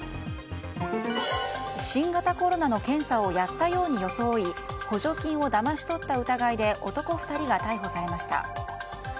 新型コロナの検査をやったように装い補助金をだまし取った疑いで男２人が逮捕されました。